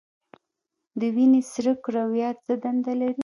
د وینې سره کرویات څه دنده لري؟